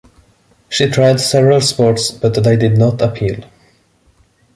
She tried several sports but they did not appeal.